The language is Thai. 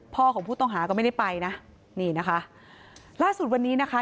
ของผู้ต้องหาก็ไม่ได้ไปนะนี่นะคะล่าสุดวันนี้นะคะ